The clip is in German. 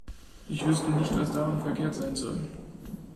Ich wüsste nicht, was daran verkehrt sein soll.